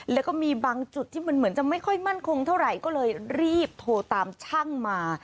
แล้วก็มีบางจุดที่มันเหมือนจะไม่ค่อยมั่นคงเท่าไหร่ก็เลยรีบโทรตามช่างมา